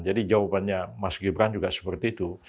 jadi jawabannya mas gibran juga seperti itu